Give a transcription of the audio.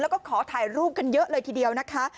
แล้วก็ขอถ่ายรูปกันเยอะเลยทีเดียวนะคะ